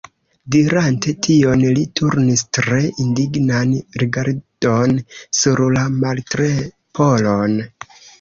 Dirante tion li turnis tre indignan rigardon sur la Martleporon.